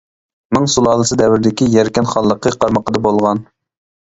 مىڭ سۇلالىسى دەۋرىدىكى يەركەن خانلىقى قارمىقىدا بولغان.